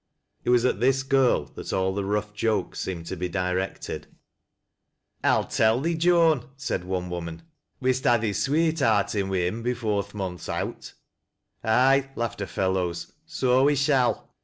It was at this girl that all the rough jokes seemed to be directed. " I'll tell thee, Joan," said one woman, " we'st ha' thee fiweetheartin' wi' him afore th' month's out." " Aye," laughed her fellows, " so we shall.